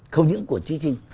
không những của chí sinh